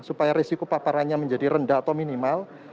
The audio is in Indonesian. supaya risiko paparannya menjadi rendah atau minimal